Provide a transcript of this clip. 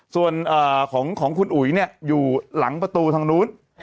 ส่วนของคุณอุ๋ยอยู่หลังประตูทางนู้น